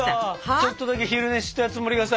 ちょっとだけ昼寝したつもりがさ